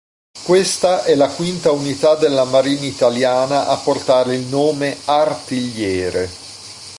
Questa è la quinta unità della marina italiana a portare il nome Artigliere.